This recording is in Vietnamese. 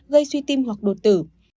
gây suy tim hoặc đột tử